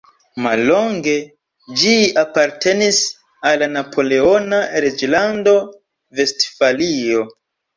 Mallonge ĝi apartenis al la napoleona reĝlando Vestfalio.